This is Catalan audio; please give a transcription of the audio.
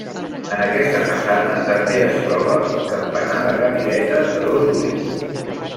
En aquesta façana també es troba un campanar de cadireta de dos ulls.